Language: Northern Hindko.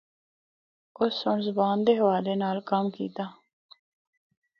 اُس سنڑ زبان دے حوالے نال کم کیتا۔